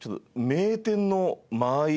名店の間合い？